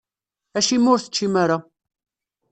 Acimi ur teččim ara?